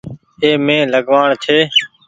اي مين لگوآڻ ڇي۔